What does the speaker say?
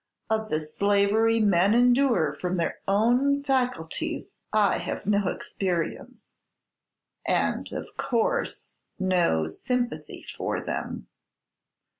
Of the slavery men endure from their own faculties I have no experience." "And, of course, no sympathy for them."